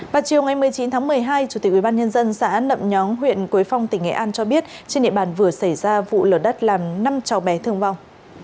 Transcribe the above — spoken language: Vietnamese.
vào chiều ngày một mươi chín tháng một mươi hai chủ tịch ubnd xã nậm nhóng huyện quế phong tỉnh nghệ an cho biết trên địa bàn vừa xảy ra vụ lở đất làm năm cháu bé thương vong